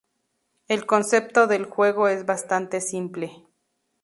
El concepto del juego es bastante simple.